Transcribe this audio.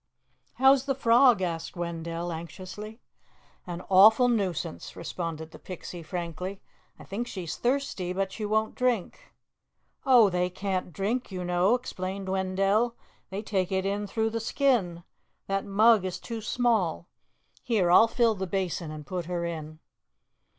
"How's the frog?" asked Wendell anxiously. "An awful nuisance," responded the Pixie frankly. "I think she's thirsty but she won't drink." "Oh, they can't drink, you know," explained Wendell. "They take it in through the skin. That mug is too small. Here, I'll fill the basin and put her in."